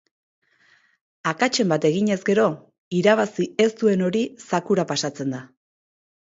Akatsen bat eginez gero, irabazi ez duen hori zakura pasatzen da.